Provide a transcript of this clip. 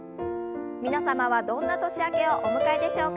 皆様はどんな年明けをお迎えでしょうか？